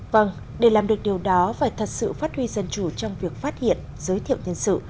vâng để làm được điều đó phải thật sự phát huy dân chủ trong việc phát hiện giới thiệu nhân sự